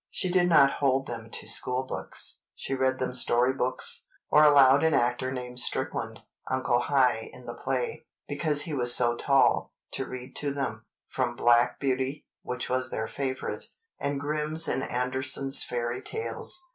She did not hold them to schoolbooks. She read them story books, or allowed an actor named Strickland—"Uncle High" in the play, because he was so tall—to read to them—from "Black Beauty," which was their favorite, and Grimm's and Andersen's Fairy Tales.